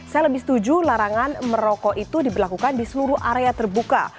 saya lebih setuju larangan merokok itu diberlakukan di seluruh area terbuka